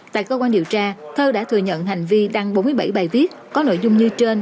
tại cơ quan điều tra thơ đã thừa nhận hành vi đăng bốn mươi bảy bài viết có nội dung như trên